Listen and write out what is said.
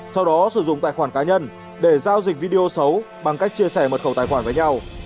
sau đó sử dụng tài khoản cá nhân để giao dịch video xấu bằng cách chia sẻ mật khẩu tài khoản với nhau